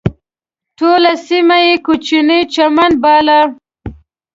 ټوله سیمه یې کوچنی چمن باله.